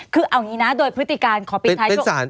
คือแบบนี้นะโดยพฤติกาลขอปิดท้าย